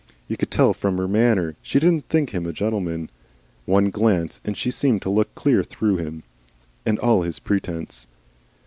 You could tell from her manner she didn't think him a gentleman. One glance, and she seemed to look clear through him and all his presence.